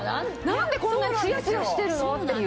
何でこんなにツヤツヤしてるの？っていう。